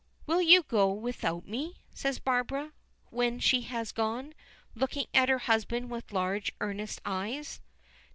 "Will you go without me?" says Barbara, when she has gone, looking at her husband with large, earnest eyes.